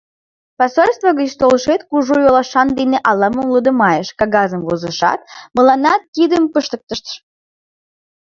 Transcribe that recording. Посольство гыч толшет кужу йолашан дене ала-мом лодымайыш, кагазым возышат, мыланнат кидым пыштыктышт.